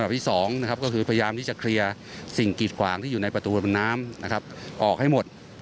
เพื่อที่จะสิ่งกีดขวางที่อยู่ในประตูระบายน้ำออกให้หมด